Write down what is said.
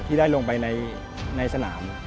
ที่ได้ลงไปในสนาม